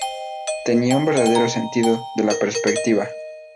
Tenía un verdadero sentido de la perspectiva.